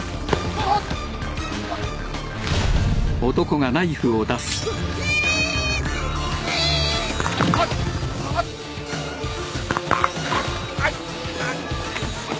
あっ。